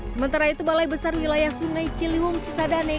sementara itu balai besar wilayah sungai ciliwung cisadane